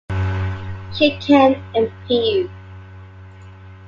She can appeal.